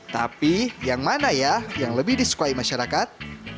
tapi yang mana ya yang lebih disukai masyarakat